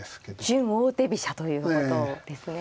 準王手飛車ということですね。